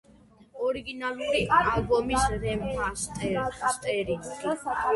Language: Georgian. ორიგინალური ალბომის რემასტერინგი.